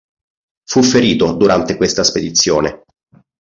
Fu ferito durante questa spedizione.